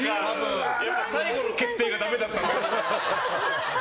最後の決定がダメだった。